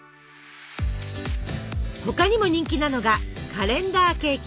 他にも人気なのがカレンダーケーキ。